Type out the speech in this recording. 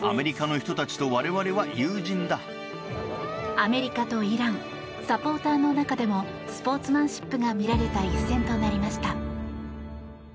アメリカとイランサポーターの中でもスポーツマンシップが見られた一戦となりました。